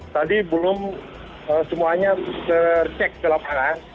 tadi belum semuanya tercek ke lapangan